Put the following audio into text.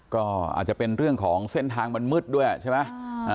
ก็อาจจะเป็นเรื่องของเส้นทางมันมืดด้วยใช่ไหม